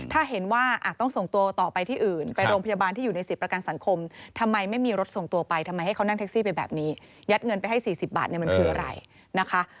ถ้าเห็นว่าต้องส่งตัวต่อไปที่อื่นไปโรงพยาบาลที่อยู่ในสิทธิ์ประกันสังคมทำไมไม่มีรถส่งตัวไปทำไมให้เขานั่งแท็กซี่ไปแบบนี้ยัดเงินไปให้๔๐บาทเนี่ยมันคืออะไรนะคะ